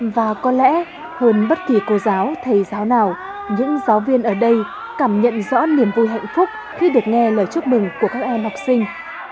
và có lẽ hơn bất kỳ cô giáo thầy giáo nào những giáo viên ở đây cảm nhận rõ niềm vui hạnh phúc khi được nghe lời chúc mừng của các em học sinh